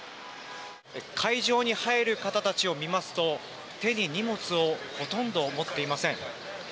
会場に入る方たちを見ますと手に荷物をほとんど持っていません。